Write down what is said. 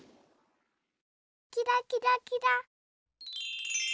キラキラキラ。